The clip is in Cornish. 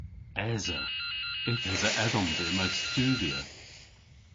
Esa. Yth esa edhom dhymm a studhya.